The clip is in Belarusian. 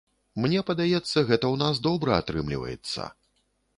Мне падаецца, гэта ў нас добра атрымліваецца!